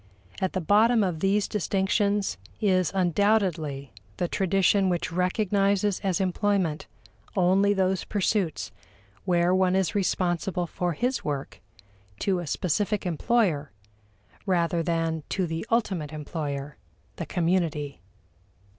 At the bottom of these distinctions is undoubtedly the tradition which recognizes as employment only those pursuits where one is responsible for his work to a specific employer, rather than to the ultimate employer, the community.